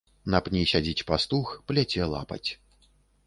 На пні сядзіць пастух, пляце лапаць.